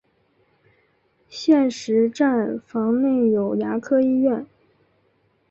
现时站房内有牙科医院。